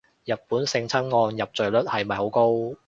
日本性侵案入罪率係咪好高